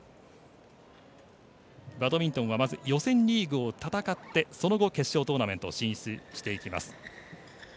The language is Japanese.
バドミントンはまず予選リーグを戦ってその後、決勝トーナメントに進出していきます。